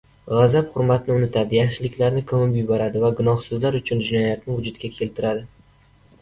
G‘azab hurmatni unutadi, yaxshiliklarni ko‘mib yuboradi va gunohsizlar uchun jinoyatlar vujudga keltiradi.